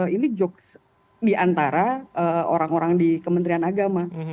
ini joke di antara orang orang di kementerian agama